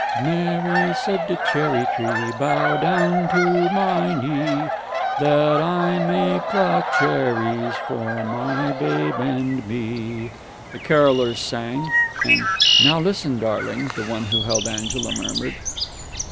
"Mary said to Cherry Tree, 'Bow down to my knee, That I may pluck cherries For my Babe and me.'" the carollers sang; and "Now listen, darling," the one who held Angela murmured....